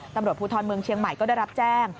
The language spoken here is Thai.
ตำรวจภูทรเมืองเชียงใหม่ก็ได้รับแจ้ง